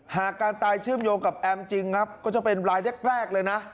หากการตายเชื่อมโยงกับแอมจริงครับก็จะเป็นรายแรกเลยนะ